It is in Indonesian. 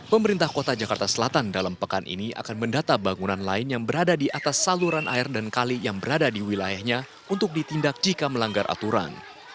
pemerintah kota jakarta selatan dalam pekan ini akan mendata bangunan lain yang berada di atas saluran air dan kali yang berada di wilayahnya untuk ditindak jika melanggar aturan